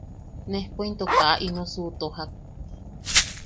Nejpo into kaa ino suʼutojak.